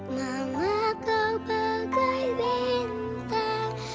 mama kau bagai bintang